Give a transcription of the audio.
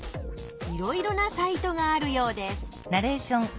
いろいろなサイトがあるようです。